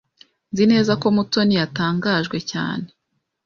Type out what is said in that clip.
Nzi neza ko Mutoni yatangajwe cyane.